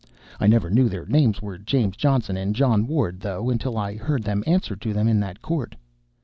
I never knew their names were James Johnson and John Ward, though, until I heard them answer to them in that court.